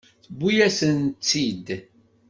Tewwi-yasent-tt-id.